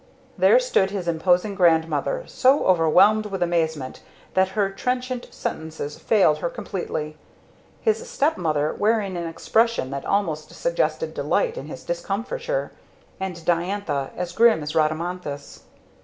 There stood his imposing grandmother, so overwhelmed with amazement that her trenchant sentences failed her completely; his stepmother, wearing an expression that almost suggested delight in his discomfiture; and Diantha, as grim as Rhadamanthus.